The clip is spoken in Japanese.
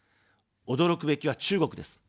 驚くべきは中国です。